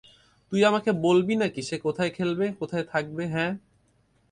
তুই আমাকে বলবি নাকি সে কোথায় খেলবে, কোথায় থাকবে, হ্যাঁ?